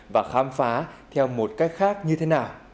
và khám phá theo một cách khác như thế nào